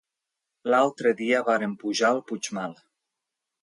L'altre dia vàrem pujar al Puigmal.